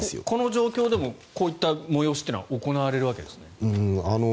こうした状況でもこうした催しというのは行われるわけですね。